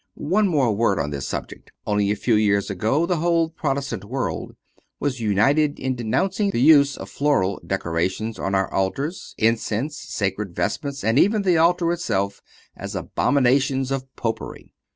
One more word on this subject. Only a few years ago the whole Protestant world was united in denouncing the use of floral decorations on our altars, incense, sacred vestments, and even the altar itself, as abominations of Popery.